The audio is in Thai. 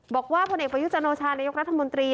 บอกว่าพลเอกประยุจันโอชานายกรัฐมนตรี